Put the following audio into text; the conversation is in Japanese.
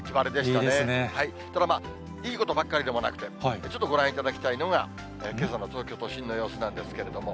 ただまあ、いいことばっかりでもなくて、ちょっとご覧いただきたいのが、けさの東京都心の様子なんですけれども。